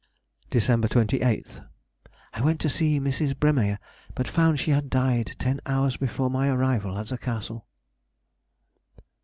December 28th.—I went to see Mrs. Bremeyer, but found she had died ten hours before my arrival at the Castle.